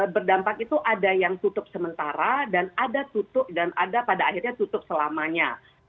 berdampak itu ada yang tutup sementara dan ada tutup dan ada pada akhirnya tutup selamanya